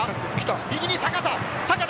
右に阪田。